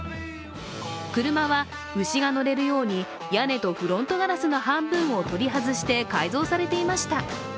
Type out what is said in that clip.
車は牛が乗れるように屋根とフロントガラスの半分を取り外して改造されていました。